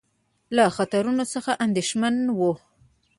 له خطرونو څخه اندېښمن وو.